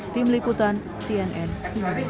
tim liputan cnn indonesia